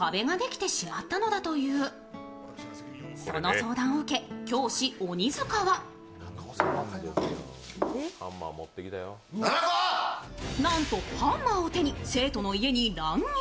相談を受け、教師・鬼塚は何とハンマーを手に生徒の家に乱入。